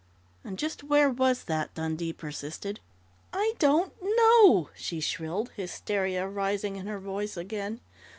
"And just where was that?" Dundee persisted. "I don't know!" she shrilled, hysteria rising in her voice again.